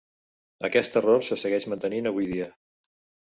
Aquest error se segueix mantenint avui dia.